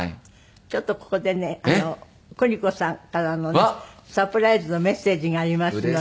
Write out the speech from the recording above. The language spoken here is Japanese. ちょっとここでね邦子さんからのねサプライズのメッセージがありますので。